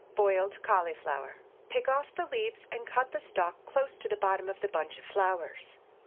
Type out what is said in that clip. BOILED CAULIFLOWER. Pick off the leaves and cut the stalk close to the bottom of the bunch of flowers.